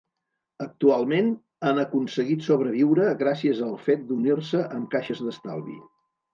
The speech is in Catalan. Actualment han aconseguit sobreviure gràcies al fet d'unir-se amb caixes d’estalvi.